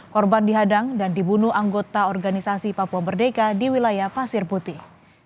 korban dihadang dan dibunuh anggota organisasi papua merdeka di wilayah pasir putih